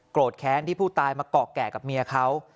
แค้นที่ผู้ตายมาเกาะแก่กับเมียเขา